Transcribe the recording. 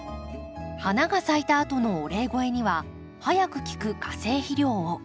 花が咲いたあとのお礼肥には早く効く化成肥料を。